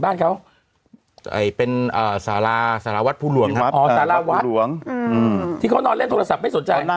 บ้านเขาเอ่ยเป็นสาราศาวรรษผู้หลวงดังนานวางที่เข้านอนเล่นโทรศัพท์ไม่